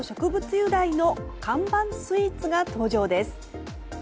由来の看板スイーツが登場です。